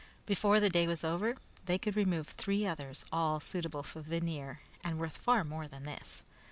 Before the day was over, they could remove three others, all suitable for veneer and worth far more than this.